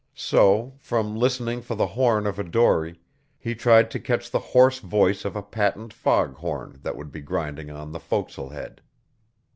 So, from listening for the horn of a dory, he tried to catch the hoarse voice of a patent fog horn that would be grinding on the forecastle head.